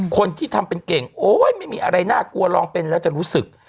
คนที่ทำเป็นเก่งโอ๊ยไม่มีอะไรน่ากลัวลองเป็นแล้วจะรู้สึก